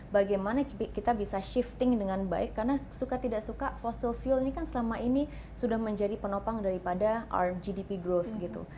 bagaimana kita bisa shifting dengan baik karena suka tidak suka fossil fuel ini kan selama ini sudah menjadi penopang daripada rgdp growth gitu